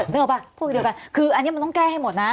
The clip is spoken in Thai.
นึกออกป่ะพวกเดียวกันคืออันนี้มันต้องแก้ให้หมดนะ